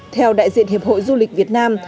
theo đại diện hiệp hội du lịch việt nam